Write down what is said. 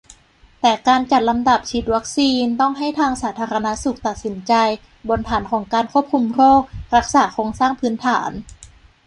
แต่การจัดลำดับฉีดวัคซีนต้องให้ทางสาธารณสุขตัดสินใจ บนฐานของการควบคุมโรค-รักษาโครงสร้างพื้นฐาน